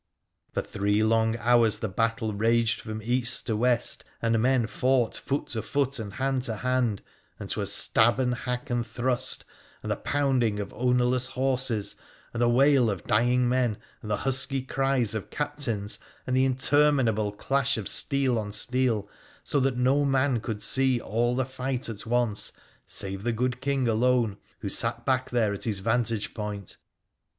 For three long hours the battle raged from east to west, and men fought foot to foot and hand to hand, and 'twas stab and hack and thrust, and the pounding of ownerless horses and the wail of dying men, and the husky cries of captains, and the interminable clash of steel on steel, so that no man could see all the fight at once, save the good King alone, who sat back there at his vantage point.